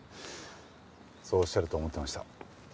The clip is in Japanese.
そうおっしゃると思ってました。